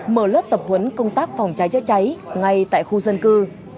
mở lớp tập huấn công tác phòng cháy chữa cháy ngay tại khu dân cư